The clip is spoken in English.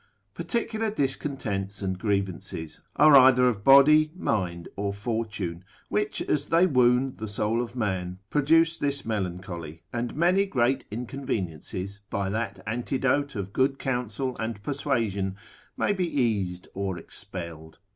Particular discontents and grievances, are either of body, mind, or fortune, which as they wound the soul of man, produce this melancholy, and many great inconveniences, by that antidote of good counsel and persuasion may be eased or expelled.